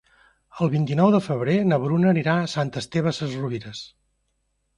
El vint-i-nou de febrer na Bruna anirà a Sant Esteve Sesrovires.